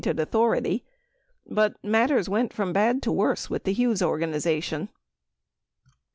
1004 authority. But matters went from bad to worse with the Hughes organization .